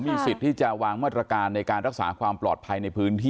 น้องที่เซเว่นที่อยู่ผมขอโทษด้วยละกัน